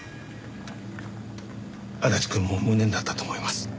足立くんも無念だったと思います。